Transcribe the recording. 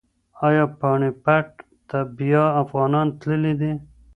ایا پاني پت ته بیا افغانان تللي دي؟